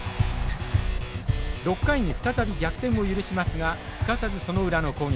６回に再び逆転を許しますがすかさずその裏の攻撃。